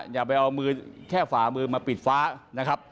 อย่าไปเอามือแค่ฝามือมาปิดฟ้า